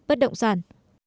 bất động sản